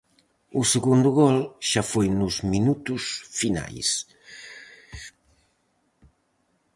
O segundo gol xa foi nos minutos finais.